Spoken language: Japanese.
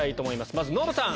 まずノブさん